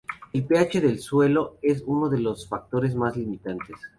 El pH del suelo es uno de los factores más limitantes.